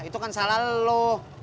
itu kan salah lo